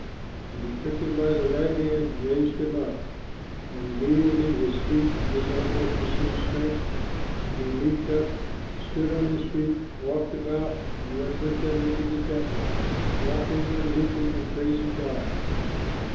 And he took him by the right hand and raised him up. And immediately his feet and his ankles received strength and he leaped up, stood on his feet, walked about and went with them into the Temple, walking, and leaping and praising God.